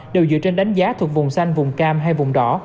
đều dựa trên đánh giá thuộc vùng xanh vùng cam hay vùng đỏ